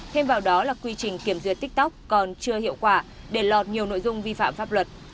thêm vào đó là quy trình kiểm duyệt tiktok còn chưa hiệu quả để lọt nhiều nội dung vi phạm pháp luật